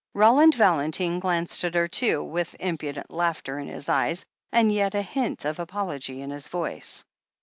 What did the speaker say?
Roland Valentine glanced at her too, with impudent laughter in his eyes, and yet a hint of apology in his voice.